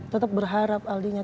tetap berharap aldinya